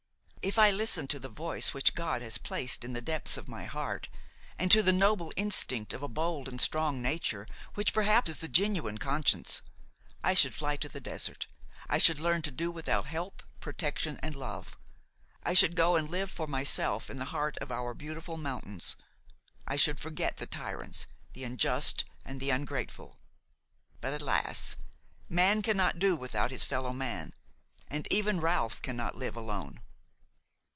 If I listened to the voice which God has placed in the depths of my heart, and to the noble instinct of a bold and strong nature, which perhaps is the genuine conscience, I should fly to the desert, I should learn to do without help, protection and love: I should go and live for myself in the heart of our beautiful mountains: I should forget the tyrants, the unjust and the ungrateful. But alas! man cannot do without his fellowman, and even Ralph cannot live alone.